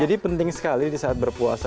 jadi penting sekali di saat berpuasa